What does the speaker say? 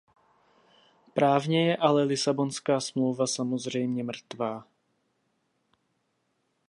Právně je ale, Lisabonská smlouva samozřejmě mrtvá.